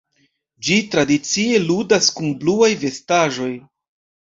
Ĝi tradicie ludas kun bluaj vestaĵoj.